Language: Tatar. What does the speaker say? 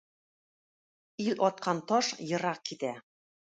Ил аткан таш ерак китә.